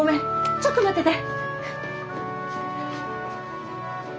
ちょっと待ってて。